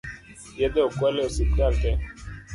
Yedhe okwal e osiptal tee